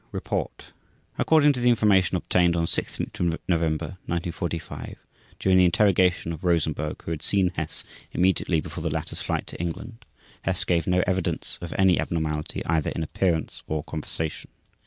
Report According to the information obtained on 16 November 1945, during the interrogation of Rosenberg who had seen Hess immediately before the latter's flight to England, Hess gave no evidence of any abnormality either in appearance or conversation.